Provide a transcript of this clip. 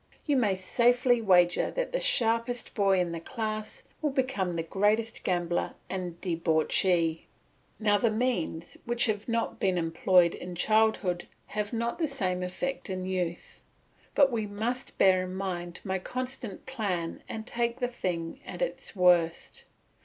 You may safely wager that the sharpest boy in the class will become the greatest gambler and debauchee. Now the means which have not been employed in childhood have not the same effect in youth. But we must bear in mind my constant plan and take the thing at its worst.